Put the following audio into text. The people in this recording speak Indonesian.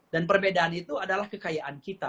dan perbedaan itu adalah kekayaan kita